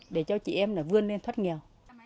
để cho chị em là vươn lên thoát nghèo